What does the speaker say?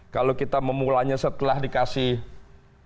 kalau kita memulainya setelah dikasih tahu